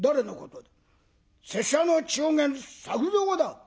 「拙者の中間作蔵だ」。